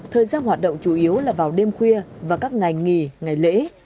thời gian hoạt động chủ yếu là vào đêm khuya và các ngày nghỉ ngày lễ